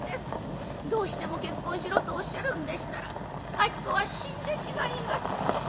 どうしても結婚しろとおっしゃるんでしたら子は死んでしまいます」。